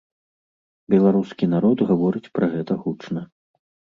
Беларускі народ гаворыць пра гэта гучна.